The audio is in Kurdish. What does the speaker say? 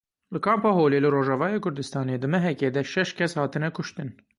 Li Kampa Holê li Rojavayê Kurdistanê di mehekê de şeş kes hatine kuştin.